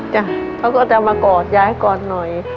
จ้ะเขาก็จะมากอดยายกอดหน่อย